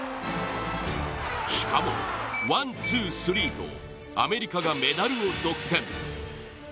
しかも、ワン・ツー・スリーとアメリカがメダルを独占。